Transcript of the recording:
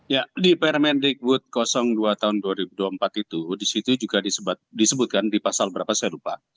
ya di permendikbud dua tahun dua ribu dua puluh empat itu disitu juga disebutkan di pasal berapa saya lupa